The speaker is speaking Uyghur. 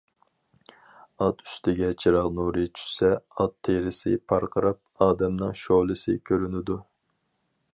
ئات ئۈستىگە چىراغ نۇرى چۈشسە، ئات تېرىسى پارقىراپ، ئادەمنىڭ شولىسى كۆرۈنىدۇ.